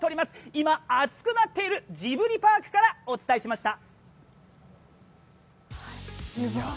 今、熱くなっているジブリパークからお伝えしました。